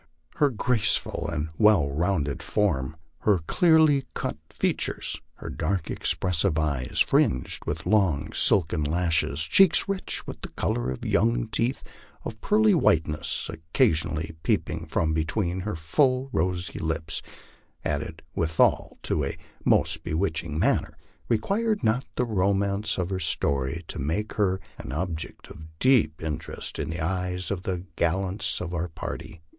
Her graceful and well rounded form, her clearly cut features, her dark expressive eyes, fringed with long silken lashes, cheeks rich with the color of youth, teeth of pearly whiteness occasionally peeping from between her full, rosy lips, added withal to a most bewitching manner, required not the romance of her story to make her an object of deep interest in the eyes of the gallants of our party.